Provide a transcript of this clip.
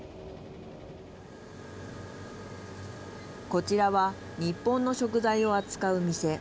こちらは日本の食材を扱う店。